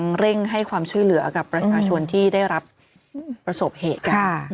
ประสบเหตุการณ์